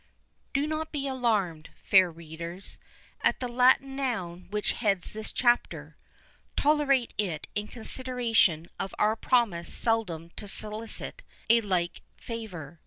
Do not be alarmed, fair readers, at the Latin noun which heads this chapter: tolerate it in consideration of our promise seldom to solicit a like favour.